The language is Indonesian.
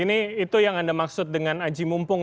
ini itu yang anda maksud dengan aji mumpung